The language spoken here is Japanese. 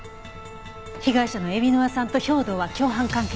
被害者の海老沼さんと兵働は共犯関係だった。